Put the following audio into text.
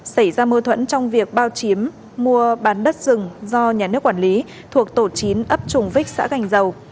xảy ra mâu thuẫn trong việc bao chiếm mua bán đất rừng do nhà nước quản lý thuộc tổ chín ấp trùng vích xã gành dầu